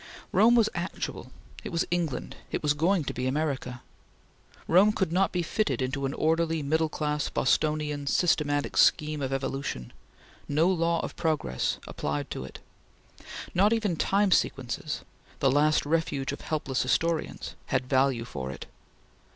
Rome was actual; it was England; it was going to be America. Rome could not be fitted into an orderly, middle class, Bostonian, systematic scheme of evolution. No law of progress applied to it. Not even time sequences the last refuge of helpless historians had value for it.